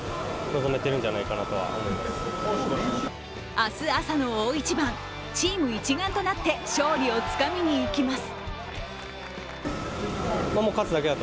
明日朝の大一番、チーム一丸となって勝利をつかみにいきます。